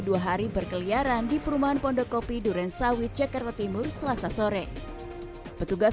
dua hari berkeliaran di perumahan pondokopi durensawit jakarta timur selasa sore petugas